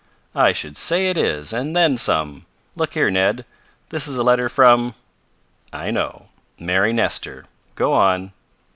"I should say it is, and then some! Look here, Ned. This is a letter from " "I know. Mary Nestor. Go on."